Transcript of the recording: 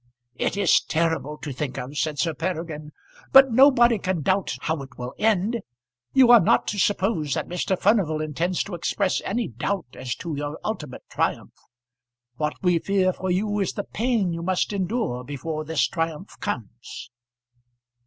"It is terrible to think of," said Sir Peregrine; "but nobody can doubt how it will end. You are not to suppose that Mr. Furnival intends to express any doubt as to your ultimate triumph. What we fear for you is the pain you must endure before this triumph comes."